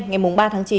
ngày ba tháng chín